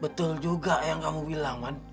betul juga yang kamu bilang kan